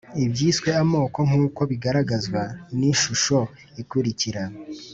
ibyiswe amoko nkuko bigaragazwa nishusho ikurikira